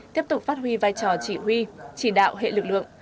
tiếp tục phát huy vai trò chỉ huy chỉ đạo hệ lực lượng